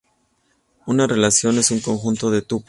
Una relación es un conjunto de tuplas.